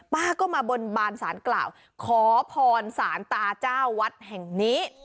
ป้าก็มาบนบานสารกล่าวขอพรสารตาเจ้าวัดแห่งนี้